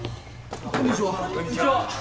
こんにちは。